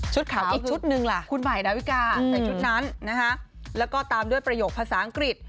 ขาวอีกชุดหนึ่งล่ะคุณใหม่ดาวิกาใส่ชุดนั้นนะคะแล้วก็ตามด้วยประโยคภาษาอังกฤษ